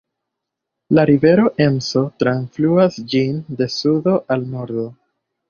La rivero Emso trafluas ĝin de sudo al nordo.